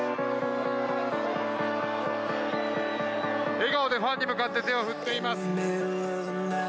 笑顔でファンに向かって手を振っています。